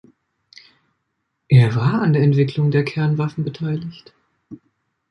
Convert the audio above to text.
Er war an der Entwicklung der Kernwaffen beteiligt.